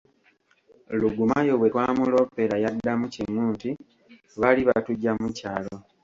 Rugumayo bwe twamuloopera yaddamu kimu nti baali batuggyamu kyalo.